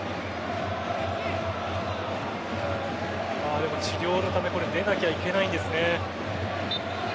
でも治療のため出なければいけないですね。